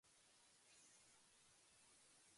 長野県木祖村